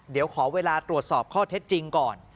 เดี๋ยวขอเวลาตรวจสอบข้อเท็จจริงก่อน